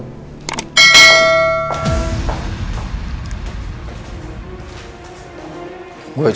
gue coba telepon andin kali ya